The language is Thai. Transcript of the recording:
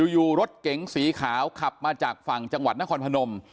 อยู่รถเก๋งสีขาวขับมาจากฝั่งจังหวัดนครพนม